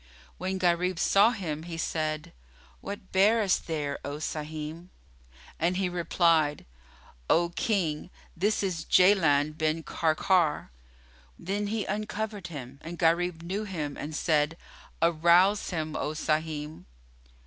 When Gharib saw him he said, "What bearest thou there, O Sahim?"; and he replied, "O King, this is Jaland bin Karkar." Then he uncovered him, and Gharib knew him and said, "Arouse him, O Sahim."